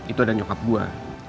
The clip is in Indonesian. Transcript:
itu ada nyokap gue